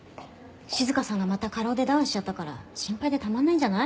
静さんがまた過労でダウンしちゃったから心配でたまんないんじゃない？